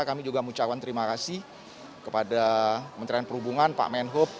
kami juga mengucapkan terima kasih kepada kementerian perhubungan pak menhub